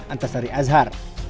antara sari azhar